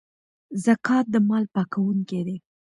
زکات د مال پاکونکی دی.